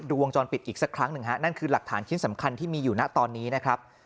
วงจรปิดอีกสักครั้งหนึ่งฮะนั่นคือหลักฐานชิ้นสำคัญที่มีอยู่นะตอนนี้นะครับ